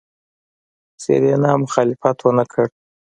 سېرېنا مخالفت ونکړ.